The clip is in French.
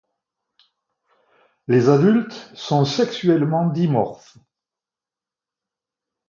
Les adultes sont sexuellement dimorphes.